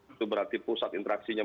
itu berarti pusat interaksinya